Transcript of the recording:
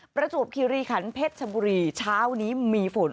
ประจวบคิริขันเพชรชบุรีเช้านี้มีฝน